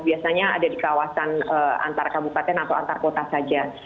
biasanya ada di kawasan antar kabupaten atau antar kota saja